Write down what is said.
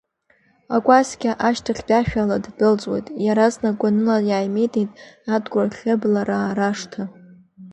Акәасқьа ашьҭахьтәи ашәала ддәылҵуеит, иаразнак гәаныла иааимидеит Адгәыр Хьыблараа рашҭа…